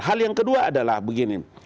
hal yang kedua adalah begini